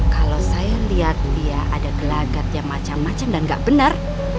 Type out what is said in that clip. kalau saya lihat dia ada gelagat yang macam macam dan gak benar